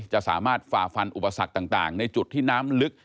จะสามารถฝ่าฟันอุปสรรคต่างในจุดที่น้ำลึก